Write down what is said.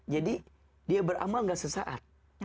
jadi dia beramal nggak sesaat